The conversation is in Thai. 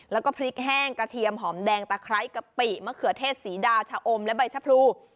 แล้วก็พริกแห้งกระเทียมหอมแดงตะไคร้กะปิมะเขือเทศสีดาวชะอมและใบชะพรู